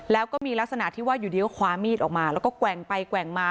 แล้วก็มีลักษณะที่ว่าอยู่ดีก็คว้ามีดออกมาแล้วก็แกว่งไปแกว่งมา